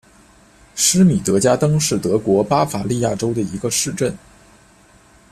施米德加登是德国巴伐利亚州的一个市镇。